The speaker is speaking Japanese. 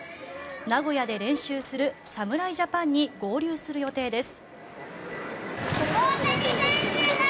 名古屋で練習する侍ジャパンに合流する予定です。